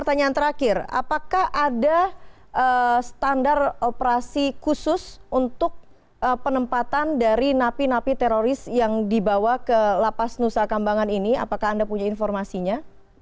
dan yang terakhir apakah ada standar operasi khusus untuk penempatan dari napi napi teroris yang dibawa ke lapas nusa kambangan ini apakah anda punya informasinya